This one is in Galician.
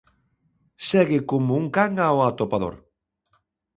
Segue como un can ao atopador.